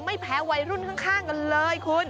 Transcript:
ไม่แพ้วัยรุ่นข้างกันเลยคุณ